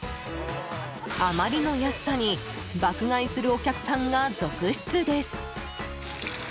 あまりの安さに爆買いするお客さんが続出です。